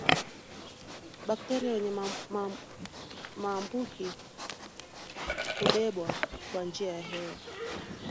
Bakteria wenye maambuki hubebwa kwa njia ya hewa